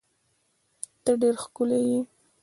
ته ډیر ښکلی یی